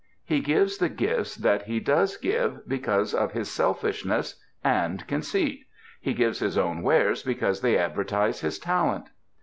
He gives the gifts that he does give because of his selfishness and conceit. He gives his own wares because they advertise his talent.